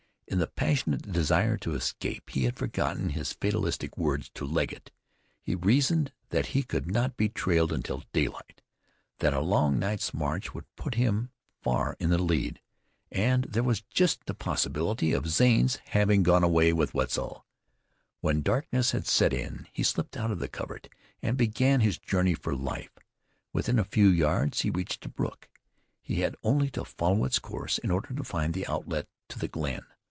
In the passionate desire to escape, he had forgotten his fatalistic words to Legget. He reasoned that he could not be trailed until daylight; that a long night's march would put him far in the lead, and there was just a possibility of Zane's having gone away with Wetzel. When darkness had set in he slipped out of the covert and began his journey for life. Within a few yards he reached the brook. He had only to follow its course in order to find the outlet to the glen.